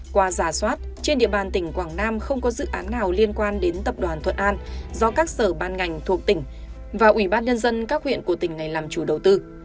qua giả soát trên địa bàn tỉnh quảng nam không có dự án nào liên quan đến tập đoàn thuận an do các sở ban ngành thuộc tỉnh và ủy ban nhân dân các huyện của tỉnh này làm chủ đầu tư